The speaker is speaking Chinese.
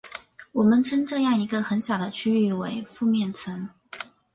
我们称这样一个很小的区域为附面层。